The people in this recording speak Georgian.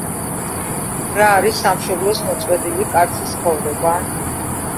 რა არის სამშობლოს მოწყვეტილი კაცის ცხოვრება?